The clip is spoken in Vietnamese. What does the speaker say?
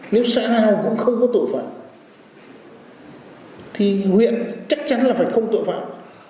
nếu xã nào cũng không có tội phạm thì huyện chắc chắn là phải không tội phạm